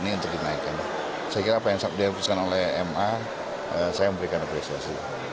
itu pemerintah harus balikin lagi nggak